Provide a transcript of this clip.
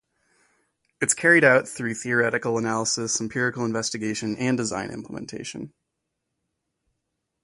It is carried out through theoretical analysis, empirical investigation, and design implementation.